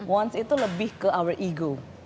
ons itu lebih ke our ego